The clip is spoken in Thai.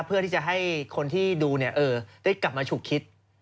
เพื่อที่จะให้คนที่ดูได้กลับมาฉุกคิด